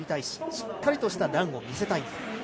しっかりとしたランを見せたい。